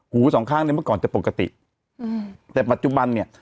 หูสองข้างในเมื่อก่อนจะปกติอืมแต่ปัจจุบันเนี่ย